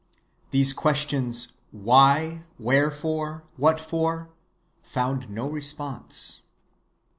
These questions "Why?" "Wherefore?" "What for?" found no response.